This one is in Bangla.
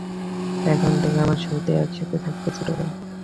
এখন থেকে, আমরা সত্যিই একসাথে থাকবো চিরকাল।